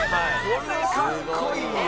これかっこいいよ。